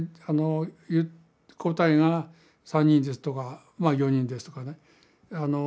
答えが「３人です」とか「４人です」とかね。